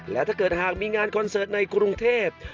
และถ้าเกิดหากมีงานคอนเสิร์ตในกรุงเทพ